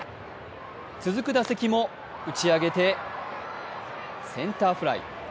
続く打席も打ち上げてセンターフライ。